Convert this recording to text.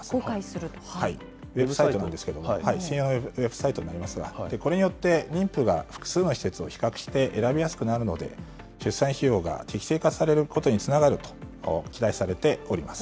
ウェブサイトなんですけど、専用ウェブサイトになりますが、これによって妊婦が複数の施設を比較して選びやすくなるので、出産費用が適正化されることにつながると期待されております。